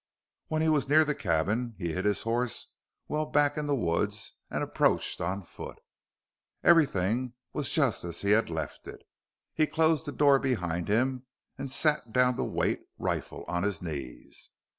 When he was near the cabin, he hid his horse well back in the woods and approached on foot. Everything was just as he had left it. He closed the door behind him and sat down to wait, rifle on his knees.